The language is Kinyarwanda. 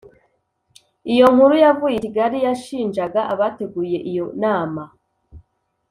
iyo nkuru yavuye i kigali yashinjaga abateguye iyo nama